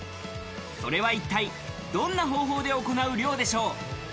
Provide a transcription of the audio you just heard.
それは一体、どんな方法で行う漁でしょう？